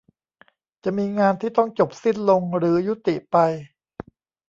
จะมีงานที่ต้องจบสิ้นลงหรือยุติไป